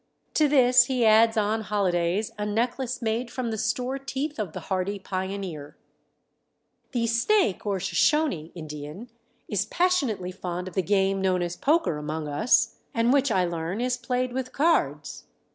To this he adds on holidays a necklace made from the store teeth of the hardy pioneer. [Illustration: HOLIDAY COSTUME.] The Snake or Shoshone Indian is passionately fond of the game known as poker among us, and which, I learn, is played with cards.